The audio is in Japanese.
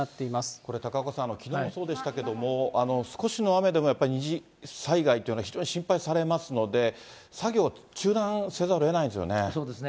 これ、高岡さん、きのうもそうでしたけれども、少しの雨でもやっぱり二次災害というのが非常に心配されますので、作業中断せざるをえないんですよね。